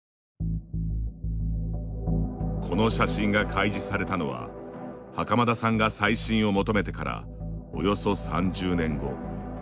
この写真が開示されたのは袴田さんが再審を求めてからおよそ３０年後。